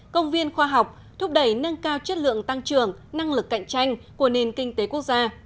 công viên khoa học thúc đẩy nâng cao chất lượng tăng trưởng năng lực cạnh tranh của nền kinh tế quốc gia